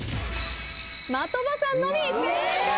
的場さんのみ正解です！